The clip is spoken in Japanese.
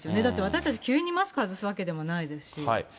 だって私たち、急にマスク外すわけでもないですし。